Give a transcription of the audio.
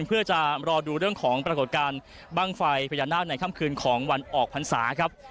เพื่อจะรอดูเรื่องของปรากฏการณ์บ้างไฟพญานาคในค่ำคืนของวันออกพรรษาครับ